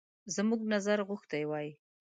زموږ نظر غوښتی وای.